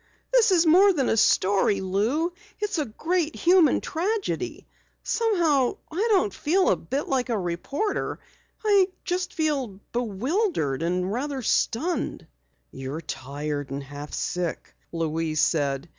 "This is more than a story, Lou. It's a great human tragedy. Somehow I don't feel a bit like a reporter I just feel bewildered and rather stunned." "You're tired and half sick," Louise said.